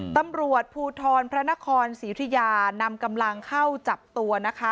ตำรวจภูทรพระนครศรียุธิยานำกำลังเข้าจับตัวนะคะ